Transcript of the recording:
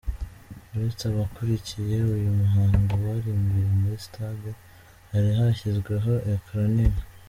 Uretse abakurikiye uyu muhango bari imbere muri Stade, hari hashyizweho ecran nini.